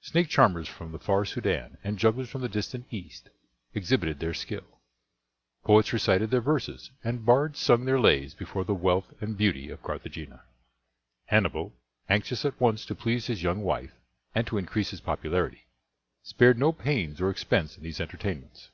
Snake charmers from the far Soudan and jugglers from the distant East exhibited their skill. Poets recited their verses, and bards sung their lays before the wealth and beauty of Carthagena. Hannibal, anxious at once to please his young wife and to increase his popularity, spared no pains or expense in these entertainments.